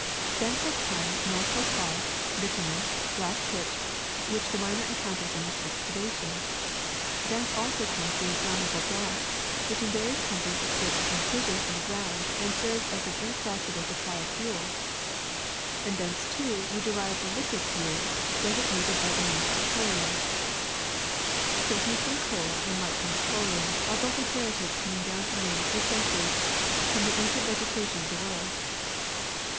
Thence have come natural tar, bitumen, black pitch, which the miner encounters in his excavations; thence also comes the inflammable gas which in vari ous countries escapes from fissures in the ground and serves as an inexhaustible supply of fuel; and thence too we derive the liquid fuel designated by the name of petroleum. So heat from coal and light from petroleum are both a heritage coming down to man through centuries from the ancient vegetation of the world.